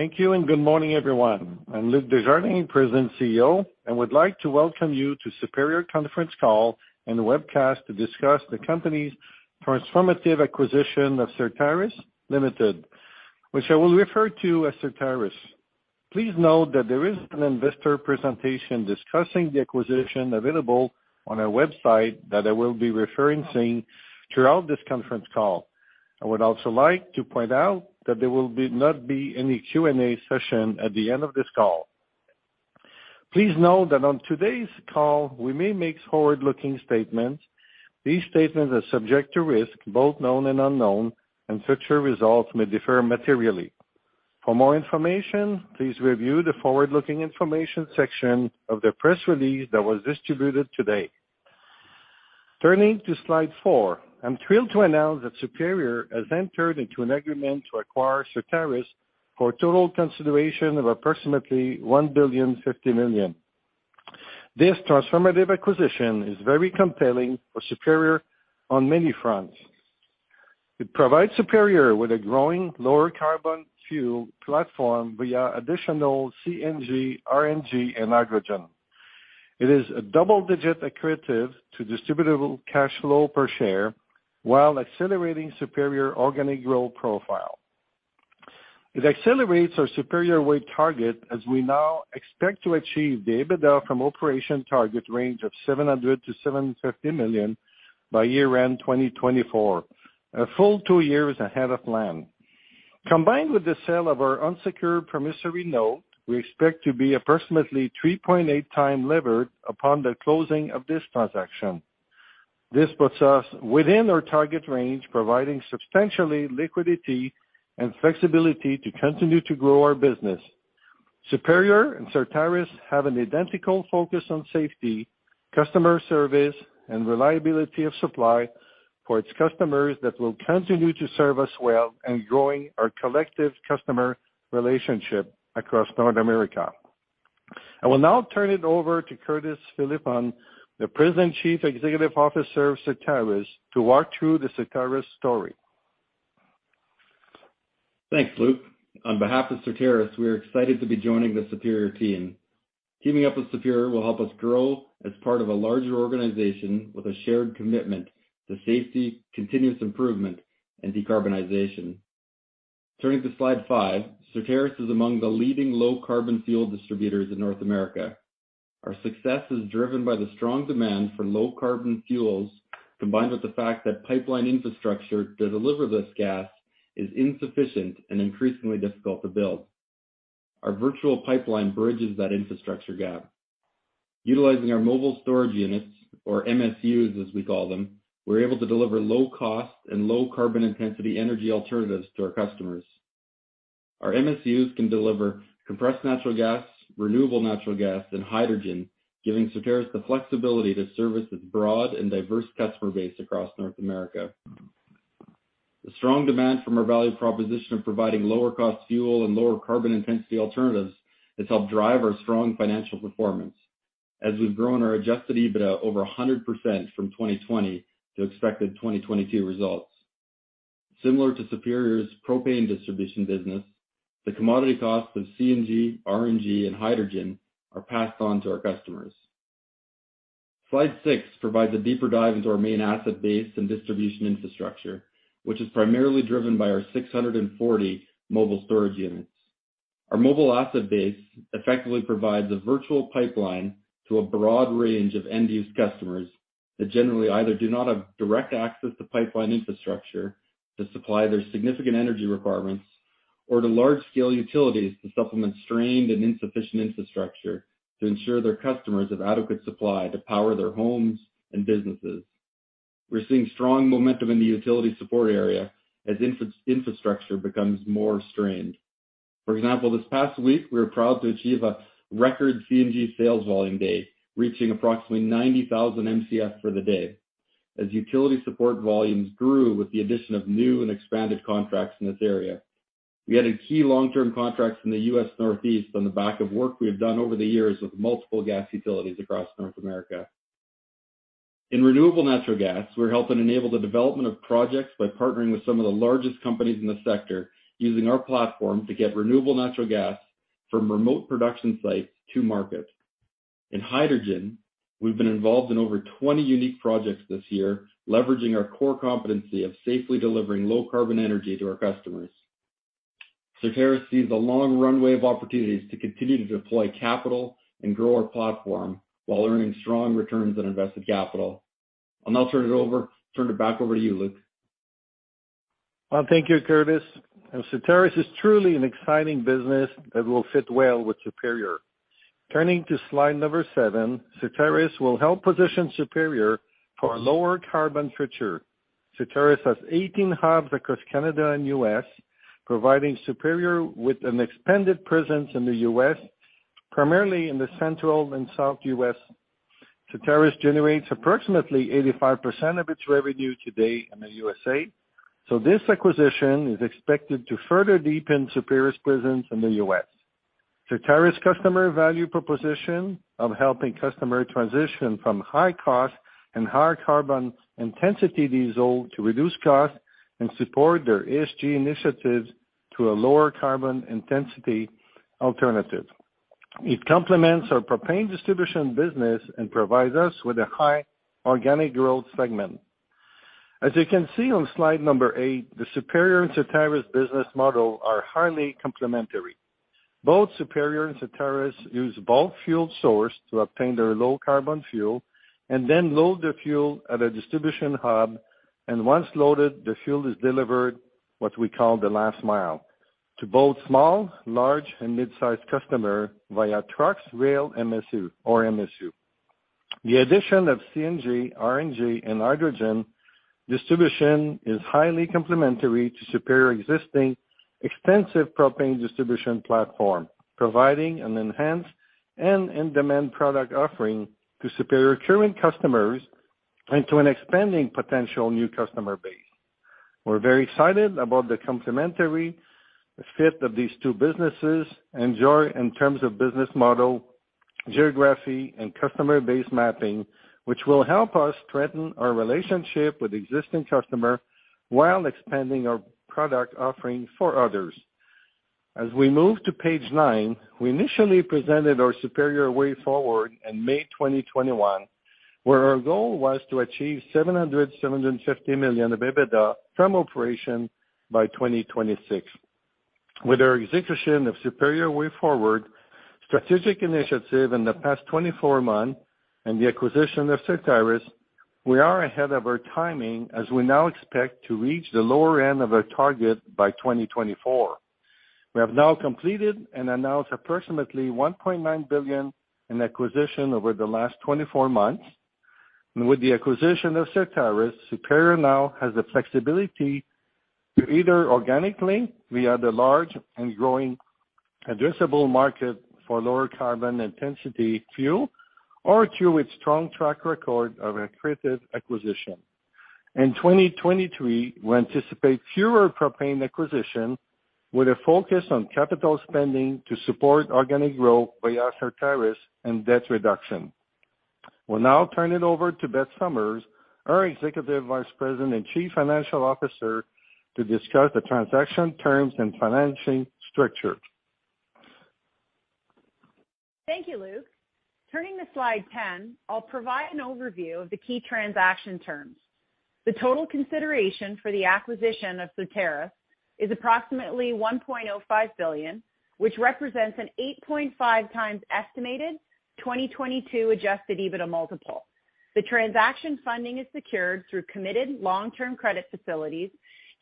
Thank you. Good morning, everyone. I'm Luc Desjardins, President and CEO, and would like to welcome you to Superior Plus conference call and webcast to discuss the company's transformative acquisition of Certarus Ltd., which I will refer to as Certarus. Please note that there is an investor presentation discussing the acquisition available on our website that I will be referencing throughout this conference call. I would also like to point out that there will not be any Q&A session at the end of this call. Please note that on today's call, we may make forward-looking statements. These statements are subject to risk, both known and unknown. Future results may differ materially. For more information, please review the forward-looking information section of the press release that was distributed today. Turning to slide four. I'm thrilled to announce that Superior has entered into an agreement to acquire Certarus for a total consideration of approximately 1,050,000,000. This transformative acquisition is very compelling for Superior on many fronts. It provides Superior with a growing lower carbon fuel platform via additional CNG, RNG, and hydrogen. It is a double-digit accretive to distributable cash flow per share, while accelerating Superior organic growth profile. It accelerates our Superior Way Forward target as we now expect to achieve the EBITDA from Operations target range of 700 million-750 million by year-end 2024, a full two years ahead of plan. Combined with the sale of our unsecured promissory note, we expect to be approximately 3.8x levered upon the closing of this transaction. This puts us within our target range, providing substantially liquidity and flexibility to continue to grow our business. Superior and Certarus have an identical focus on safety, customer service, and reliability of supply for its customers that will continue to serve us well and growing our collective customer relationship across North America. I will now turn it over to Curtis Philippon, the President and Chief Executive Officer of Certarus, to walk through the Certarus story. Thanks, Luc. On behalf of Certarus, we are excited to be joining the Superior team. Teaming up with Superior will help us grow as part of a larger organization with a shared commitment to safety, continuous improvement, and decarbonization. Turning to slide five. Certarus is among the leading low-carbon fuel distributors in North America. Our success is driven by the strong demand for low-carbon fuels, combined with the fact that pipeline infrastructure to deliver this gas is insufficient and increasingly difficult to build. Our virtual pipeline bridges that infrastructure gap. Utilizing our mobile storage units, or MSUs, as we call them, we're able to deliver low cost and low carbon intensity energy alternatives to our customers. Our MSUs can deliver compressed natural gas, renewable natural gas, and hydrogen, giving Certarus the flexibility to service its broad and diverse customer base across North America. The strong demand from our value proposition of providing lower cost fuel and lower carbon intensity alternatives has helped drive our strong financial performance as we've grown our Adjusted EBITDA over 100% from 2020 to expected 2022 results. Similar to Superior's propane distribution business, the commodity costs of CNG, RNG, and hydrogen are passed on to our customers. Slide six provides a deeper dive into our main asset base and distribution infrastructure, which is primarily driven by our 640 mobile storage units. Our mobile asset base effectively provides a virtual pipeline to a broad range of end-use customers that generally either do not have direct access to pipeline infrastructure to supply their significant energy requirements or to large-scale utilities to supplement strained and insufficient infrastructure to ensure their customers have adequate supply to power their homes and businesses. We're seeing strong momentum in the utility support area as infrastructure becomes more strained. For example, this past week we were proud to achieve a record CNG sales volume day, reaching approximately 90,000 MCF for the day. As utility support volumes grew with the addition of new and expanded contracts in this area, we added key long-term contracts in the U.S. Northeast on the back of work we have done over the years with multiple gas utilities across North America. In renewable natural gas, we're helping enable the development of projects by partnering with some of the largest companies in the sector, using our platform to get renewable natural gas from remote production sites to market. In hydrogen, we've been involved in over 20 unique projects this year, leveraging our core competency of safely delivering low-carbon energy to our customers. Certarus sees a long runway of opportunities to continue to deploy capital and grow our platform while earning strong returns on invested capital. I'll now turn it back over to you, Luc. Thank you, Curtis. Certarus is truly an exciting business that will fit well with Superior. Turning to slide number seven. Certarus will help position Superior for a lower carbon future. Certarus has 18 hubs across Canada and U.S., providing Superior with an expanded presence in the U.S., primarily in the Central and South U.S. Certarus generates approximately 85% of its revenue today in the U.S.A. This acquisition is expected to further deepen Superior's presence in the U.S. Certarus customer value proposition of helping customer transition from high cost and higher carbon intensity diesel to reduce cost and support their ESG initiatives to a lower carbon intensity alternative. It complements our propane distribution business and provides us with a high organic growth segment. As you can see on slide number eight, the Superior and Certarus business model are highly complementary. Both Superior and Certarus use bulk fuel source to obtain their low carbon fuel and then load the fuel at a distribution hub. Once loaded, the fuel is delivered, what we call the last mile, to both small, large and mid-size customer via trucks, rail, MSU. The addition of CNG, RNG and hydrogen distribution is highly complementary to Superior existing extensive propane distribution platform, providing an enhanced and in-demand product offering to Superior current customers and to an expanding potential new customer base. We're very excited about the complementary fit of these two businesses and joy in terms of business model, geography, and customer base mapping, which will help us strengthen our relationship with existing customer while expanding our product offering for others. As we move to page nine, we initially presented our Superior Way Forward in May 2021, where our goal was to achieve 700 million-750 million of EBITDA from Operations by 2026. With our execution of Superior Way Forward strategic initiative in the past 24 months and the acquisition of Certarus, we are ahead of our timing as we now expect to reach the lower end of our target by 2024. We have now completed and announced approximately 1.9 billion in acquisition over the last 24 months. With the acquisition of Certarus, Superior now has the flexibility to either organically via the large and growing addressable market for lower carbon intensity fuel or through its strong track record of accretive acquisition. In 2023, we anticipate fewer propane acquisition with a focus on capital spending to support organic growth via Certarus and debt reduction. We'll now turn it over to Beth Summers, our Executive Vice President and Chief Financial Officer, to discuss the transaction terms and financing structure. Thank you, Luc. Turning to slide 10, I'll provide an overview of the key transaction terms. The total consideration for the acquisition of Certarus is approximately 1.05 billion, which represents an 8.5x estimated 2022 adjusted EBITDA multiple. The transaction funding is secured through committed long-term credit facilities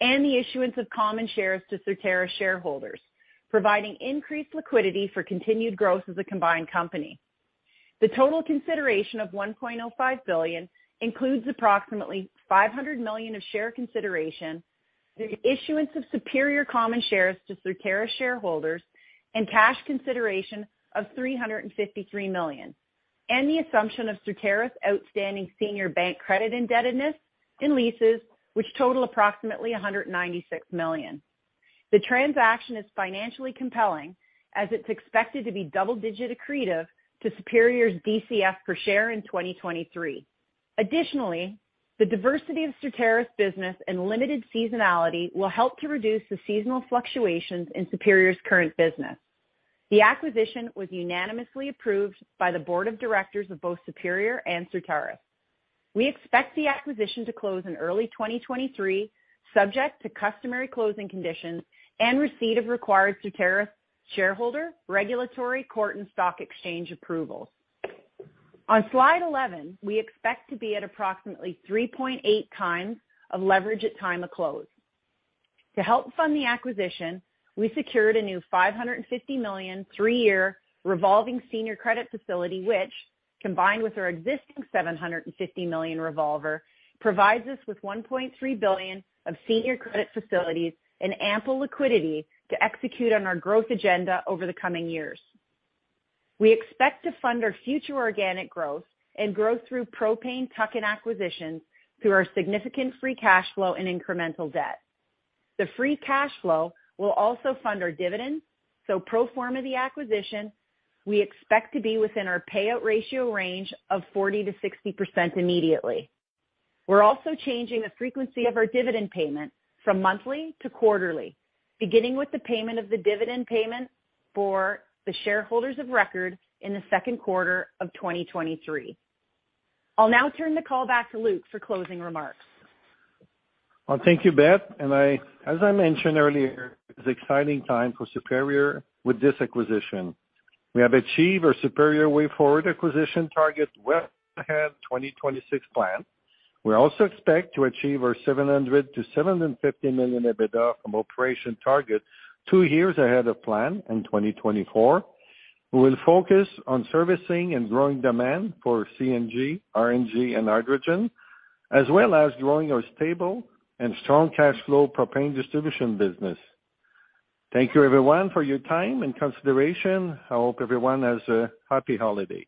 and the issuance of common shares to Certarus shareholders, providing increased liquidity for continued growth as a combined company. The total consideration of 1.05 billion includes approximately 500 million of share consideration, the issuance of Superior common shares to Certarus shareholders and cash consideration of 353 million, and the assumption of Certarus' outstanding senior bank credit indebtedness and leases, which total approximately 196 million. The transaction is financially compelling as it's expected to be double digit accretive to Superior's DCF per share in 2023. Additionally, the diversity of Certarus business and limited seasonality will help to reduce the seasonal fluctuations in Superior's current business. The acquisition was unanimously approved by the board of directors of both Superior and Certarus. We expect the acquisition to close in early 2023 subject to customary closing conditions and receipt of required Certarus shareholder, regulatory, court, and stock exchange approvals. On slide 11, we expect to be at approximately 3.8x of leverage at time of close. To help fund the acquisition, we secured a new 550 million, three-year revolving senior credit facility, which combined with our existing 750 million revolver, provides us with 1.3 billion of senior credit facilities and ample liquidity to execute on our growth agenda over the coming years. We expect to fund our future organic growth and growth through propane tuck-in acquisitions through our significant free cash flow and incremental debt. The free cash flow will also fund our dividend, pro forma the acquisition, we expect to be within our payout ratio range of 40%-60% immediately. We're also changing the frequency of our dividend payment from monthly to quarterly, beginning with the payment of the dividend payment for the shareholders of record in the second quarter of 2023. I'll now turn the call back to Luc for closing remarks. Thank you, Beth. I, as I mentioned earlier, it's an exciting time for Superior Plus with this acquisition. We have achieved our Superior Way Forward acquisition target well ahead 2026 plan. We also expect to achieve our 700 million-750 million EBITDA from Operations target two years ahead of plan in 2024. We will focus on servicing and growing demand for CNG, RNG and hydrogen, as well as growing our stable and strong cash flow propane distribution business. Thank you everyone for your time and consideration. I hope everyone has a happy holiday.